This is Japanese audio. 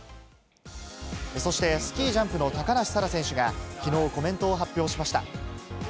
そしてスキージャンプの高梨沙羅選手が、きのうコメントを発表しました。